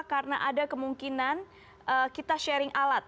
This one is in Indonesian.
karena ada kemungkinan kita sharing alat